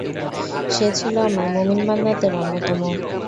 সে ছিল আমার মুমিন বান্দাদের অন্যতম।